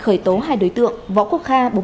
khởi tố hai đối tượng võ quốc kha